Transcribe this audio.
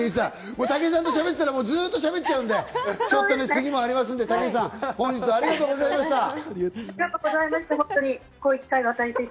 武井さんとしゃべっちゃうと、ずっとしゃべっちゃうんで、次もありますので、本日はありがとうございました。